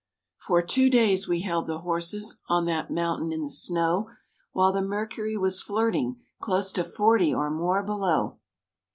For two days we held the horses On that mountain in the snow, While the mercury was flirting Close to forty or more below.